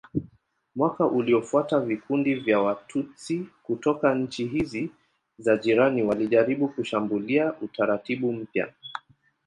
Mwaka uliofuata vikundi vya Watutsi kutoka nchi hizi za jirani walijaribu kushambulia utaratibu mpya.